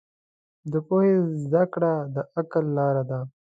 د پوهې زده کړه د عقل لاره ده.